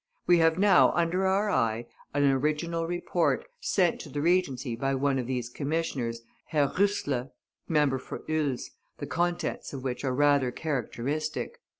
We have now under our eye an original report, sent to the Regency by one of these commissioners, Herr Roesler (member for Oels), the contents of which are rather characteristic.